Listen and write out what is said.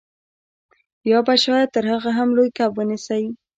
یا به شاید تر هغه هم لوی کب ونیسئ